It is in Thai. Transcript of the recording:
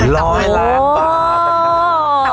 ร้อยล้านบาทค่ะ